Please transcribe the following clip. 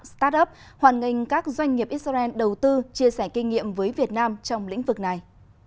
start up hoàn nghênh các doanh nghiệp israel đầu tư chia sẻ kinh nghiệm với việt nam trong lĩnh vực này